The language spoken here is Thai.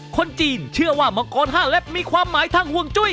คนจีนเชื่อว่ามังกร๕เล็บมีความหมายทางห่วงจุ้ย